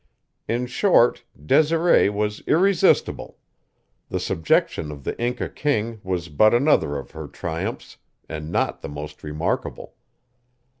In short, Desiree was irresistible; the subjection of the Inca king was but another of her triumphs, and not the most remarkable.